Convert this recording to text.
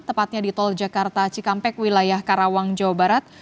tepatnya di tol jakarta cikampek wilayah karawang jawa barat